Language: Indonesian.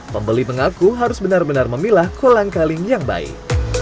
pembeli mengaku harus benar benar memilah kolang kaling yang baik